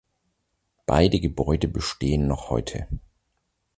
Beide Gebäude bestehen noch heute.